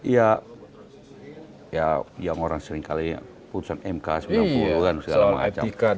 ya yang orang seringkali putusan mk sembilan puluh dan segala macam